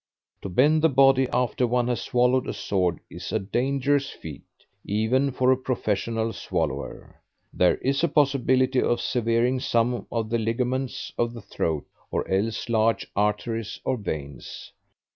To bend the body after one has swallowed a sword is a dangerous feat, even for a professional swallower. There is a possibility of severing some of the ligaments of the throat or else large arteries or veins.